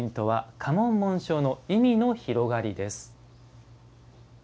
「家紋・紋章の意味の広がり」です。